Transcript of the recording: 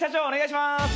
お願いします！